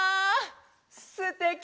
すてき！